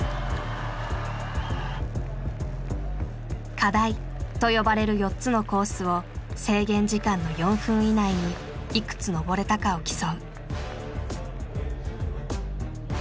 「課題」と呼ばれる４つのコースを制限時間の４分以内にいくつ登れたかを競う。